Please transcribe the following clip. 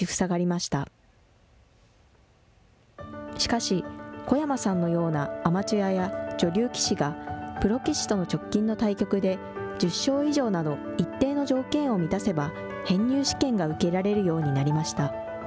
しかし、小山さんのようなアマチュアや女流棋士が、プロ棋士との直近の対局で１０勝以上など、一定の条件を満たせば、編入試験が受けられるようになりました。